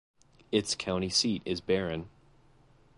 Its county seat is Barron.